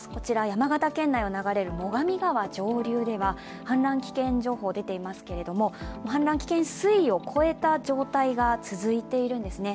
山形県内を流れる最上川上流では氾濫危険情報出ていますけれども、氾濫危険水位を越えた状態が続いているんですね。